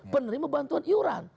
penerima bantuan iuran